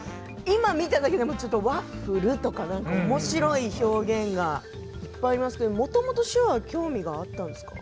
今見ただけでも、ワッフルとかおもしろい表現がいっぱいありますけどもともと手話は興味があったんですか？